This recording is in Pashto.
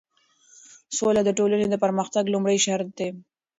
سوله د ټولنې د پرمختګ لومړی شرط دی.